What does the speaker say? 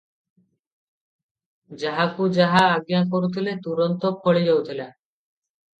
ଯାହାକୁ ଯାହା ଆଜ୍ଞା କରୁଥିଲେ, ତୁରନ୍ତ ଫଳି ଯାଉଥିଲା ।